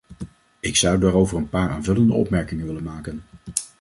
Ik zou daarover een paar aanvullende opmerkingen willen maken.